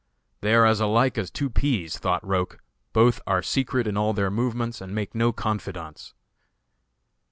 "They are as alike as two peas," thought Roch; "both are secret in all their movements, and make no confidants."